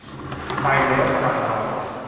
ใส่แล้วสบายเท้า